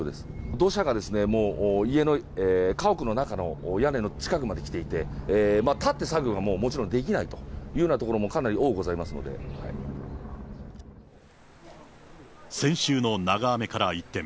土砂がもう、家の、家屋の中の屋根の近くまで来ていて、立って作業がもちろんできないというような所もかなり多くござい先週の長雨から一転。